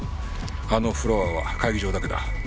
あのフロアは会議場だけだ。